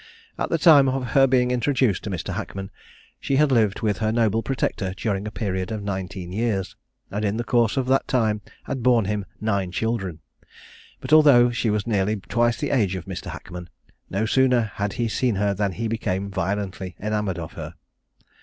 At the time of her being introduced to Mr. Hackman, she had lived with her noble protector during a period of nineteen years, and in the course of that time had borne him nine children; but although she was nearly twice the age of Mr. Hackman, no sooner had he seen her than he became violently enamoured of her.